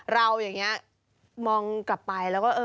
เราอย่างนี้มองกลับไปแล้ว